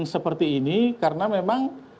seperti ini karena memang